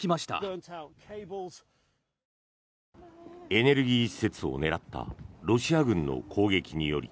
エネルギー施設を狙ったロシア軍の攻撃により